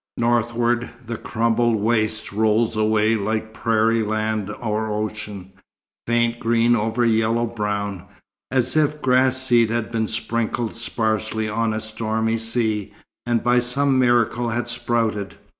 Northward, the crumpled waste rolls away like prairie land or ocean, faint green over yellow brown, as if grass seed had been sprinkled sparsely on a stormy sea and by some miracle had sprouted.